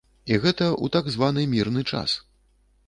І гэта ў так званы мірны час.